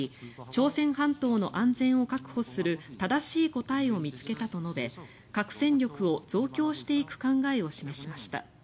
朝鮮半島の安全を確保する正しい答えを見つけたと述べ核戦力を増強していく考えを示しました。